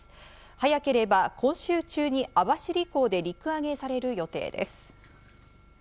早ければ今週中に網走港で陸揚げされる予定です。